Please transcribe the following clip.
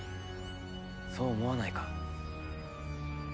そう思わないか？